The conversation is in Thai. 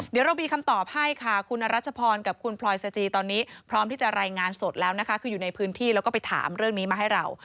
เดี๋ยวเรามีคำตอบให้ค่ะคุณรัชพรกับคุณพลอยสจีตอนนี้พร้อมที่จะรายงานสดแล้วนะคะคืออยู่ในพื้นที่แล้วก็ไปถามเรื่องนี้มาให้เรา